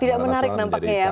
tidak menarik nampaknya ya